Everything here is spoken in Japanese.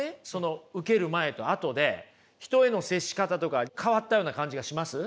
受ける前と後で人への接し方とか変わったような感じがします？